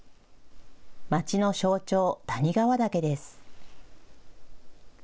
町の象徴、谷川岳です。